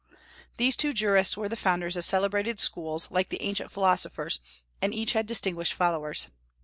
These two jurists were the founders of celebrated schools, like the ancient philosophers, and each had distinguished followers.